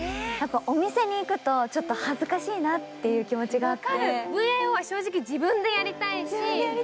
お店に行くとちょっと恥ずかしいなって気持ちがあって。